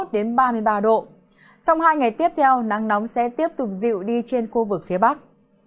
trong hai ngày tiếp theo nắng nóng sẽ tiếp tục dịu đi trên khu vực phía bắc